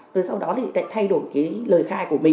rồi sau đó lại thay đổi lời khai của mình